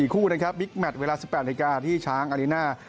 คู่นะครับบิ๊กแมทเวลา๑๘นาฬิกาที่ช้างอาริน่า